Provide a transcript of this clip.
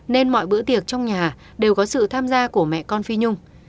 nên mọi bữa tiệc trong nhà đều có sự tham gia của mẹ con phi nhung